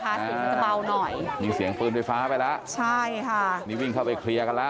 เสียงมันจะเบาหน่อยมีเสียงปืนไฟฟ้าไปแล้วใช่ค่ะนี่วิ่งเข้าไปเคลียร์กันแล้ว